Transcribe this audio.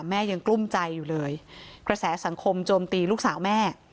แม่ยังกลุ้มใจอยู่เลยกระแสสังคมโจมตีลูกสาวแม่